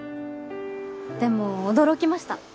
でも驚きました。